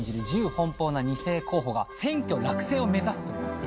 自由奔放な二世候補が選挙落選を目指すという。